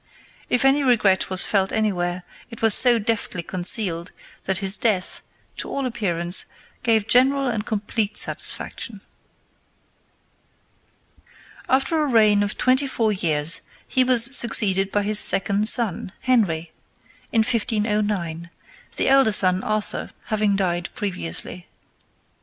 If any regret was felt anywhere, it was so deftly concealed that his death, to all appearance, gave general and complete satisfaction. [Illustration: A RELUCTANT TAX PAYER.] After a reign of twenty four years he was succeeded by his second son, Henry, in 1509, the elder son, Arthur, having died previously.